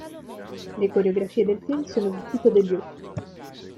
Le coreografie del film sono di Tito LeDuc.